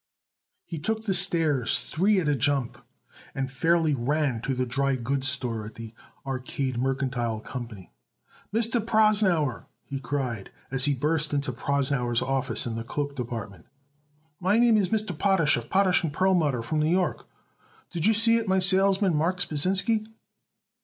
He took the stairs three at a jump and fairly ran to the dry goods store of the Arcade Mercantile Company. "Mr. Prosnauer," he cried as he burst into Prosnauer's office in the cloak department, "my name is Mr. Potash, of Potash & Perlmutter, from New York. Did you seen it my salesman, Marks Pasinsky?"